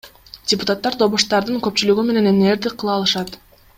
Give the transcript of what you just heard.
Депутаттар добуштардын көпчүлүгү менен эмнелерди кыла алышат?